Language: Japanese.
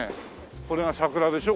これが桜でしょ？